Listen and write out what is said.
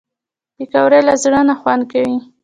پکورې له زړه نه خوند کوي